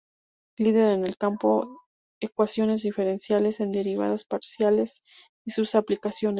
Líder en el campo de ecuaciones diferenciales en derivadas parciales y sus aplicaciones.